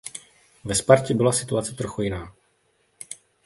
Ve Spartě byla situace trochu jiná.